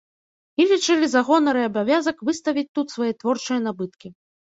І лічылі за гонар і абавязак выставіць тут свае творчыя набыткі.